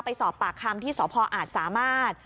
ไปสอบปากคำที่สพอาจสามารถ